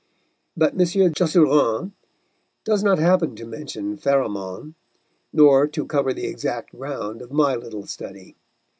But M. Jusserand does not happen to mention Pharamond, nor to cover the exact ground of my little study.